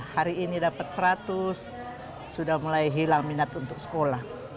hari ini dapat seratus sudah mulai hilang minat untuk sekolah